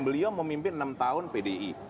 beliau memimpin enam tahun pdi